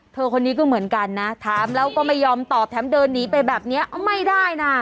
คนนี้ก็เหมือนกันนะถามแล้วก็ไม่ยอมตอบแถมเดินหนีไปแบบนี้ไม่ได้นะ